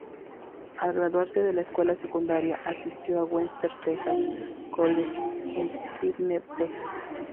Al graduarse de la escuela secundaria, asistió Western Texas College en Snyder, Texas.